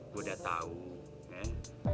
gue udah tau bang